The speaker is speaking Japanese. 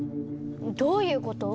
どういうこと？